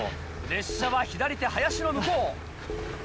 列車は左手林の向こう。